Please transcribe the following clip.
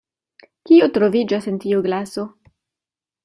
Kio troviĝas en tiu glaso?